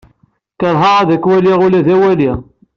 Keṛheɣ ad k-waliɣ ula d awali.